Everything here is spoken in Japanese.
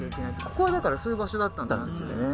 ここはだからそういう場所だったんですね。